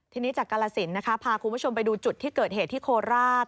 ทีนี้จากกาลสินนะคะพาคุณผู้ชมไปดูจุดที่เกิดเหตุที่โคราช